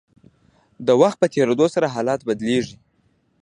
د وخت په تیریدو سره حالات بدلیږي.